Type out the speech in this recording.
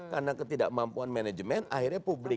karena ketidakmampuan manajemen akhirnya publik